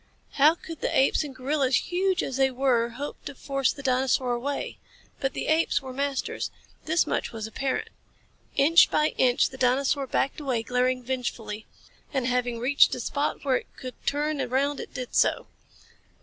How could the apes and gorillas, huge as they were, hope to force the dinosaur away? But the apes were masters. This much was apparent. Inch by inch the dinosaur backed away, glaring vengefully. And having reached a spot where it could turn around it did so.